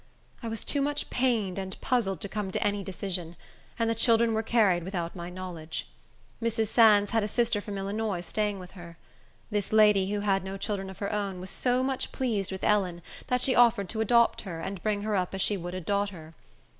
I was too much pained and puzzled to come to any decision; and the children were carried without my knowledge. Mrs. Sands had a sister from Illinois staying with her. This lady, who had no children of her own, was so much pleased with Ellen, that she offered to adopt her, and bring her up as she would a daughter.